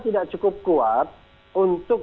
tidak cukup kuat untuk